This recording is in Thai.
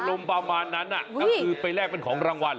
ประมาณนั้นก็คือไปแลกเป็นของรางวัล